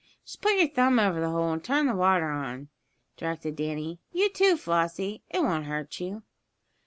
"Just put your thumb over the hole, and turn the water on," directed Danny. "You, too, Flossie. It won't hurt you."